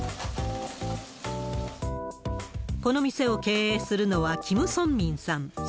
この店を経営するのはキム・ソンミンさん